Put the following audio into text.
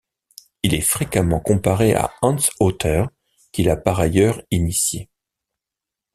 Il est fréquemment comparé à Hans Hotter qui l'a par ailleurs initié.